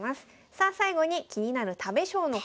さあ最後に気になる食べ将の方。